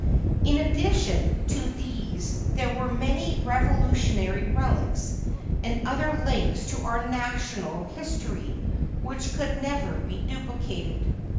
In addition to these there were many Revolutionary relics and other links in our national history which never could be duplicated.